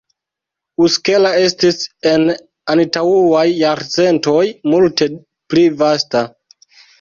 Uskela estis en antaŭaj jarcentoj multe pli vasta.